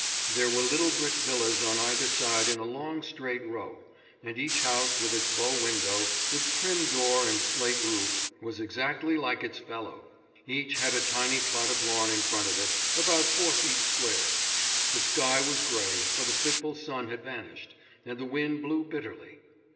There were little brick villas on either side in a long straight row; and each house, with its bow window, its prim door and slate roof, was exactly like its fellow. Each had a tiny plot of lawn in front of it, about four feet square. The sky was grey, for the fitful sun had vanished, and the wind blew bitterly.